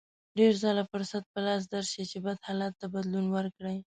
ډېر ځله فرصت په لاس درشي چې بد حالت ته بدلون ورکړئ.